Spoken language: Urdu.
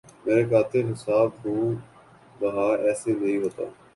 مرے قاتل حساب خوں بہا ایسے نہیں ہوتا